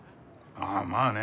ああまあね。